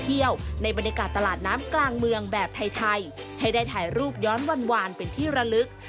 ในบรรยากาศตลาดน้ำกลางเมืองแบบไทยให้ได้ถ่ายรูปย้อนวานเป็นที่ระลึก